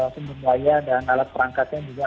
semua bahaya dan alat perangkatnya juga